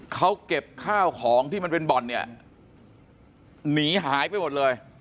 เขาเก็บข้าวของที่มันเป็นบ่อนเนี่ยหนีหายไปหมดเลย